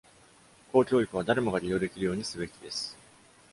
公教育は誰もが利用できるようにすべきです。